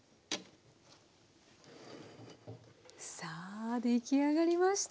さあ出来上がりました。